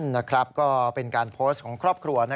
นะครับก็เป็นการโพสต์ของครอบครัว